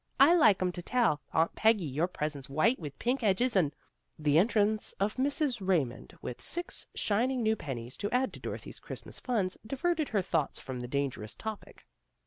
" I like 'em to tell. Aunt Peggy your present's white with pink edges, and " The entrance of Mrs. Raymond, with six shi ning new pennies to add to Dorothy's Christmas funds, diverted her thoughts from the dangerous topic.